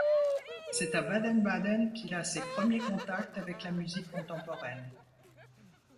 C’est à Baden-Baden qu’il a ses premiers contacts avec la musique contemporaine.